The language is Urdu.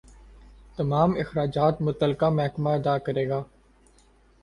تمام اخراجات متعلقہ محکمہ ادا کرے گا